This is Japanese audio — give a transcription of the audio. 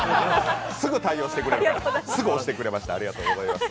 すぐ対応してくれるからすぐ押してくれました、ありがとうございます。